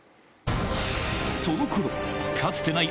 その頃かつてない